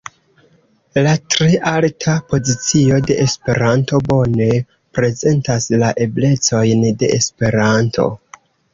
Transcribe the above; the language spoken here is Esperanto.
La tre alta pozicio de Esperanto bone prezentas la eblecojn de Esperanto.